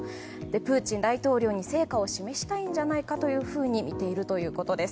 プーチン大統領に成果を示したいんじゃないかとみているということです。